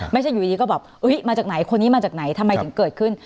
ไม่ใช่อยู่ดีก็แบบมาจากไหนคนนี้มาจากไหนทำไมถึงเกิดขึ้น